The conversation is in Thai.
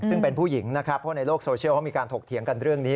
ซึ่งเป็นผู้หญิงนะครับเพราะในโลกโซเชียลเขามีการถกเถียงกันเรื่องนี้